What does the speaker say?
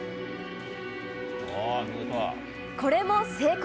これも成功。